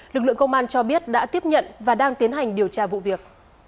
lực lượng công an cho biết đã tiếp nhận và đang tiến hành điều tra vụ việc